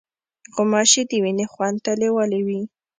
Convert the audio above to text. غوماشې د وینې خوند ته لیوالې وي.